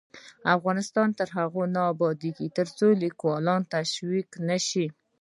افغانستان تر هغو نه ابادیږي، ترڅو لیکوالان تشویق نشي.